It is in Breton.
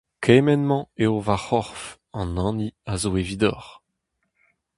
Kement-mañ eo va c’horf, an hini a zo evidoc’h.